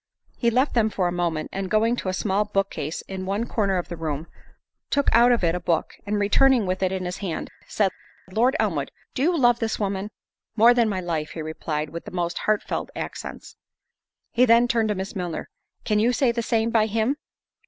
He left them for a moment, and going to a small bookcase in one corner of the room, took out of it a book, and returning with it in his hand, said, "Lord Elmwood, do you love this woman?" "More than my life." He replied, with the most heartfelt accents. He then turned to Miss Milner—"Can you say the same by him?"